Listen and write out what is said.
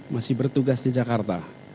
masih bertugas di jalan ini